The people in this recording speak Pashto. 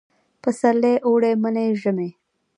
پسرلي، اوړي، مني او ژمي